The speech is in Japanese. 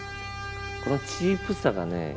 このチープさがね